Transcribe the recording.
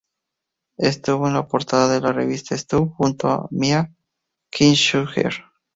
Estuvo en la portada de la revista Stuff junto a Mia Kirshner.